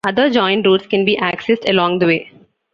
Other joined routes can be accessed along the way.